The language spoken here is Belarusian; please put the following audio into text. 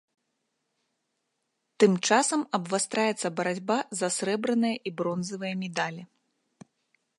Тым часам абвастраецца барацьба за срэбраныя і бронзавыя медалі.